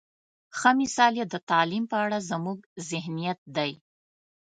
ښه مثال یې د تعلیم په اړه زموږ ذهنیت دی.